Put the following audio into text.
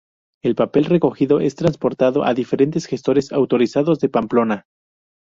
El papel recogido es transportado a diferentes gestores autorizados de Pamplona.